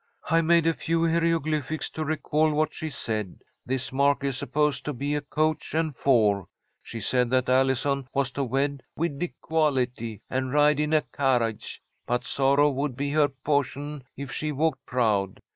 I made a few hieroglyphics to recall what she said. This mark is supposed to be a coach and four. She said that Allison was to wed wid de quality and ride in a car'age, but sorrow would be her po'shun if she walked proud.